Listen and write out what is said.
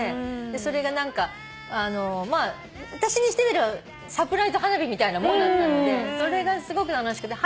それが私にしてみればサプライズ花火みたいなもんだったのでそれがすごく楽しくて。